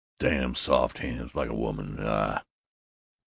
"Damn soft hands like a woman's. Aah!"